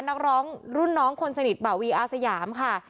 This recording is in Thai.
นักร้องรุ่นน้องคนสนิทบ่าวีอาสยามค่ะ